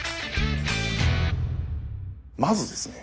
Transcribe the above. まずですね。